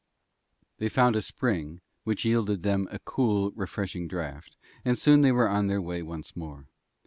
They found a spring, which yielded them a cool, refreshing draught, and soon were on their way once more.